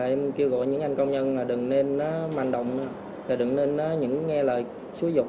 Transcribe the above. em kêu gọi những anh công nhân đừng nên manh động đừng nên nghe lời xúi dục